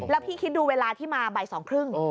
แล้วพี่คิดดูเวลาที่มาบ่ายสองครึ่ง